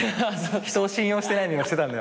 人を信用してない目をしてたんだよ。